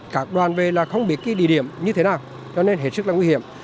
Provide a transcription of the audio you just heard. các đoàn về là không biết cái địa điểm như thế nào cho nên hết sức là nguy hiểm